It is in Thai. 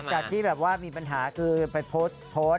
จากที่แบบว่ามีปัญหาคือไปโพสต์